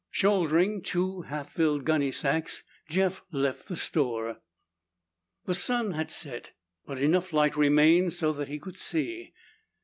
Shouldering two half filled gunny sacks, Jeff left the store. The sun had set, but enough light remained so that he could see.